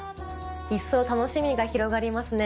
一層楽しみが広がりますね。